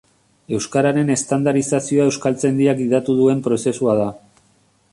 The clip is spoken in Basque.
Euskararen estandarizazioa Euskaltzaindiak gidatu duen prozesua da.